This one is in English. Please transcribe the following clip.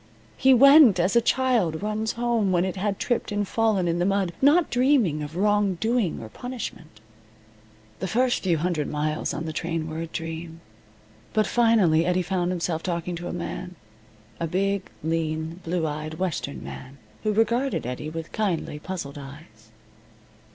He went, as a child runs home when it had tripped and fallen in the mud, not dreaming of wrong doing or punishment. The first few hundred miles on the train were a dream. But finally Eddie found himself talking to a man a big, lean, blue eyed western man, who regarded Eddie with kindly, puzzled eyes.